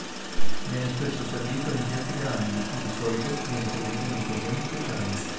Viene spesso servito in piatti grandi, e di solito viene servito in occasioni speciali.